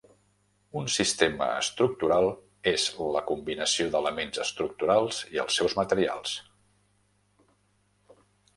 Un "sistema estructural" és la combinació d'elements estructurals i els seus materials.